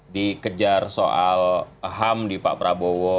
dikejar soal ham di pak prabowo